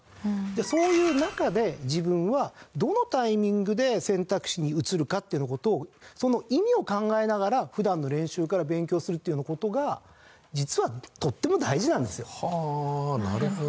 そういう中で自分はどのタイミングで選択肢に移るかというような事をその意味を考えながら普段の練習から勉強するというような事が実はとっても大事なんですよ。はあなるほど。